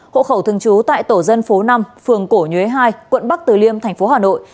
hộ khẩu thương chú tại tổ dân phố năm phường cổ nhuế hai quận bắc từ liêm tp hà nội